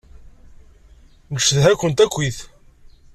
Ncedha-kent akkit.